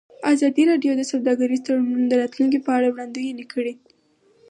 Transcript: ازادي راډیو د سوداګریز تړونونه د راتلونکې په اړه وړاندوینې کړې.